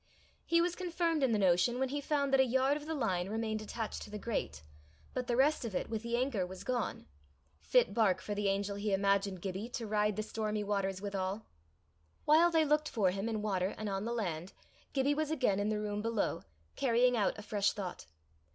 He was confirmed in the notion when he found that a yard of the line remained attached to the grate, but the rest of it with the anker was gone fit bark for the angel he imagined Gibbie, to ride the stormy waters withal. While they looked for him in the water and on the land, Gibbie was again in the room below, carrying out a fresh thought.